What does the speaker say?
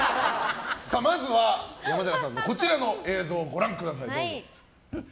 まずは、山寺さんのこちらの映像をご覧ください。